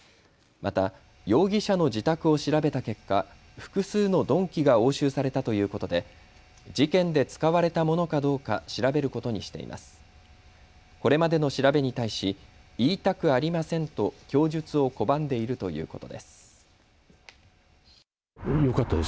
また、容疑者の自宅を調べた結果複数の鈍器が押収されたということで事件で使われたものかどうか調べることにしています。